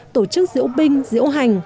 tổ chức diễu binh diễu hành